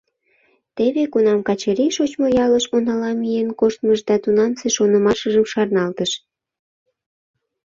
Теве кунам Качырий шочмо ялыш унала миен коштмыжым да тунамсе шонымашыжым шарналтыш!